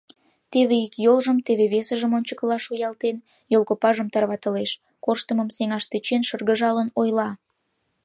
Теве ик йолжым, теве весыжым ончыкыла шуялтен, йолкопажым тарватылеш, корштымым сеҥаш тӧчен, шыргыжалын ойла: